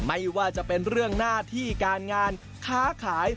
ไม่ว่าจะเป็นเรื่องหน้าที่การงานค้าขาย